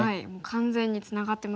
完全にツナがってますね。